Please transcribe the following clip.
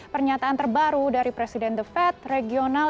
pernyataan terbaru dari presiden the fed regional